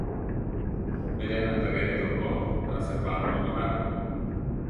Biré natagere rokó ta, Serbanto ránara.